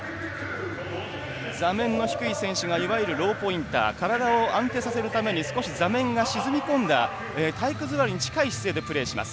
座面の低い選手がいわゆるローポインター体を安定させるために少し座面が沈み込んだ体育座りに近い姿勢でプレーします。